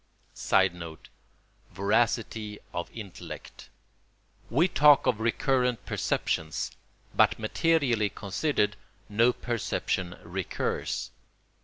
[Sidenote: Voracity of intellect.] We talk of recurrent perceptions, but materially considered no perception recurs.